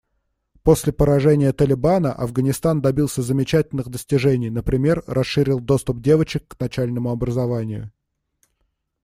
После поражения «Талибана» Афганистан добился замечательных достижений, например расширил доступ девочек к начальному образованию.